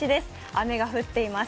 雨が降っています。